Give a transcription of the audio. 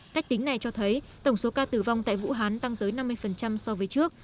cách tính này cho thấy tổng số ca tử vong tại vũ hán tăng tới năm mươi so với trước